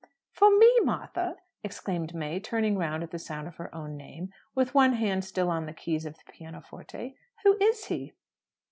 "For me, Martha?" exclaimed May, turning round at the sound of her own name, with one hand still on the keys of the pianoforte. "Who is he?"